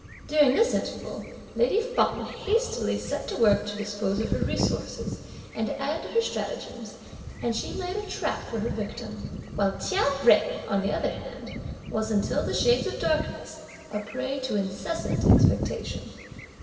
During this interval lady Feng hastily set to work to dispose of her resources, and to add to her stratagems, and she laid a trap for her victim; while Chia Jui, on the other hand, was until the shades of darkness fell, a prey to incessant expectation.